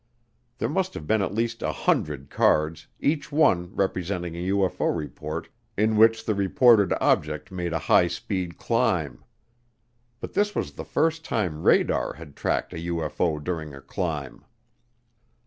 There must have been at least a hundred cards, each one representing a UFO report in which the reported object made a high speed climb. But this was the first time radar had tracked a UFO during a climb.